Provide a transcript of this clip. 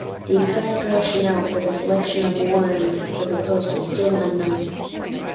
The exact rationale for the selection of Warren for the post is still unknown.